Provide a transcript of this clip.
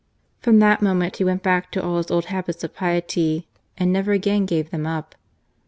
From that moment he went back to all his old habits of piety, and never again gave them up.